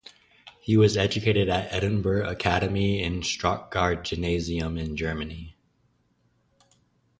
He was educated at Edinburgh Academy and Stuttgart Gymnasium in Germany.